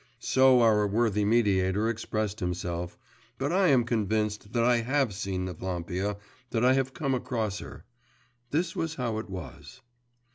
So our worthy mediator expressed himself … but I am convinced that I have seen Evlampia, that I have come across her. This was how it was.